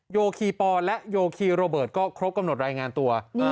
โยคีปอและโยคีโรเบิร์ตก็ครบกำหนดรายงานตัว